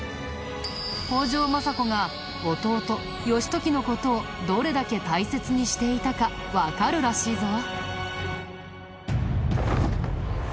北条政子が弟義時の事をどれだけ大切にしていたかわかるらしいぞ。